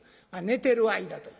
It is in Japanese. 寝てる間と。